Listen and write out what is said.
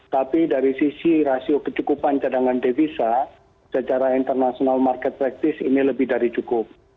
tapi dari sisi rasio kecukupan cadangan devisa secara international market practice ini lebih dari cukup